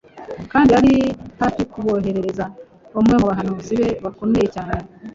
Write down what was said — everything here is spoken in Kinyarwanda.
kandi yari hafi kuboherereza umwe mu bahanuzi be bakomeye cyane